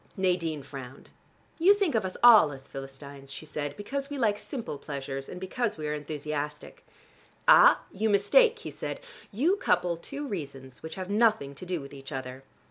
Nadine frowned. "You think of us all as Philistines," she said, "because we like simple pleasures, and because we are enthusiastic." "Ah, you mistake!" he said. "You couple two reasons which have nothing to do with each other.